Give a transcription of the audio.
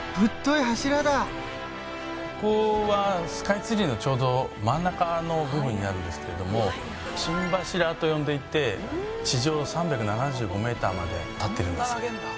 ここはスカイツリーのちょうど真ん中の部分になるんですけれども心柱と呼んでいて地上３７５メーターまで立っているんです。